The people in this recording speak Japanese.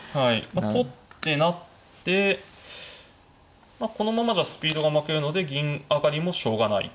取って成ってこのままじゃスピードが負けるので銀上がりもしょうがない。